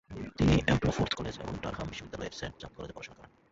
তিনি Ampleforth college এবং Durham বিশ্ববিদ্যালয়ের সেন্ট চাদ কলেজে পড়াশোনা করেন।